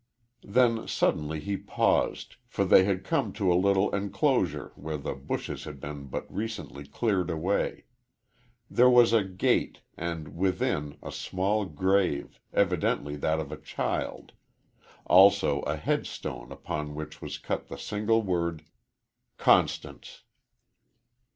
Then suddenly he paused, for they had come to a little enclosure, where the bushes had been but recently cleared away. There was a gate, and within a small grave, evidently that of a child; also a headstone upon which was cut the single word, "CONSTANCE."